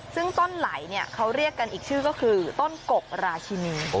ซึ่งต้นไหลเขาเรียกกันอีกชื่อก็คือต้นกกราชินี